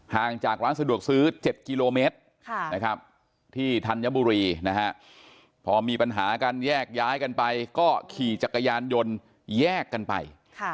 ห่างจากร้านสะดวกซื้อ๗กิโลเมตรที่ธัญบุรีนะฮะพอมีปัญหากันแยกย้ายกันไปก็ขี่จักรยานยนต์แยกกันไป